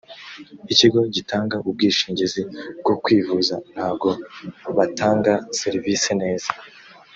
ikigo gitanga ubwinshingizi bwo kwivuza ntago batanga serivisi neza